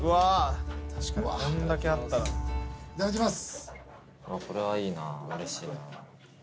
いただきます。